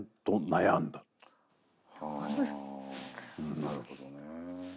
なるほどね。